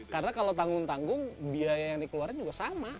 karena kalau tanggung tanggung biaya yang dikeluarkan juga sama